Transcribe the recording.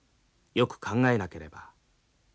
よく考えなければ。